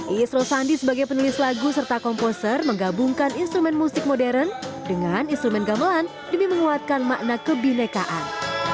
iisro sandi sebagai penulis lagu serta komposer menggabungkan instrumen musik modern dengan instrumen gamelan demi menguatkan makna kebinekaan